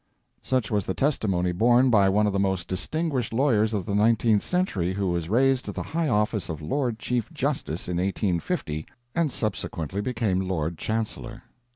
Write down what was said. Such was the testimony borne by one of the most distinguished lawyers of the nineteenth century who was raised to the high office of Lord Chief Justice in 1850, and subsequently became Lord Chancellor.